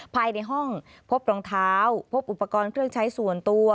ภายในห้องพบรองเท้าพบอุปกรณ์เครื่องใช้ส่วนตัว